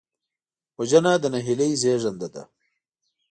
وژنه د نهیلۍ زېږنده ده